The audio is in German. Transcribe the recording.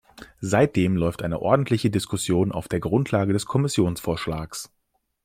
Seitdem läuft eine ordentliche Diskussion auf der Grundlage des Kommissionsvorschlags.